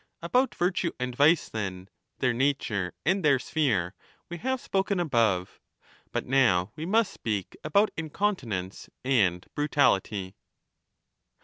About virtue and vice, then, their nature and their sphere, we have spoken above ;^ but now we must speak about in continence and brutality.